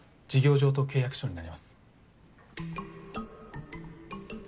譲渡契約書になります。